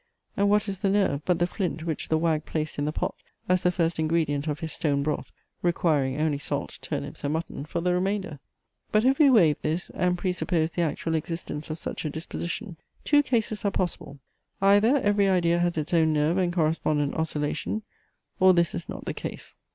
And what is the nerve, but the flint which the wag placed in the pot as the first ingredient of his stone broth, requiring only salt, turnips, and mutton, for the remainder! But if we waive this, and pre suppose the actual existence of such a disposition; two cases are possible. Either, every idea has its own nerve and correspondent oscillation, or this is not the case.